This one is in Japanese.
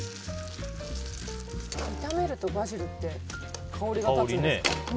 炒めるとバジルって香りが立つんですか？